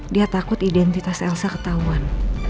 dia takut identitas elsa ketahuan